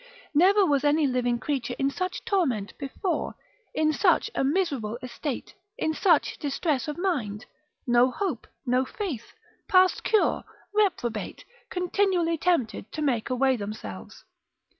Never was any living creature in such torment before, in such a miserable estate, in such distress of mind, no hope, no faith, past cure, reprobate, continually tempted to make away themselves.